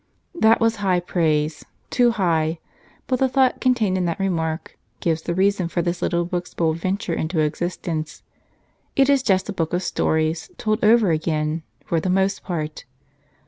That was high praise — too high. But the thought contained in that remark gives the reason for this little book's bold venture into existence. It is just a book of stories told over again — for the most part.